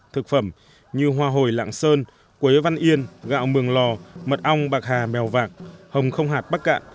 thực phẩm như hoa hồi lạng sơn quế văn yên gạo mường lò mật ong bạc hà mèo vạc hồng không hạt bắc cạn